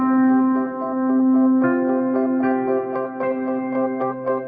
พี่แหลมนี่แหลมมาแสนของเกรก